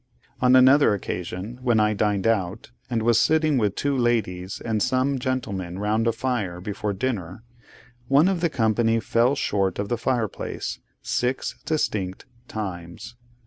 On another occasion, when I dined out, and was sitting with two ladies and some gentlemen round a fire before dinner, one of the company fell short of the fireplace, six distinct times.